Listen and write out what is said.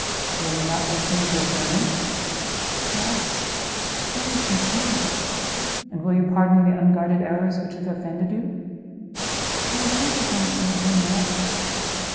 "Will you not wish me a good journey?" "Yes, very sincerely." "And will you pardon the unguarded errors which have offended you?" "I will think of them, Sir, no more."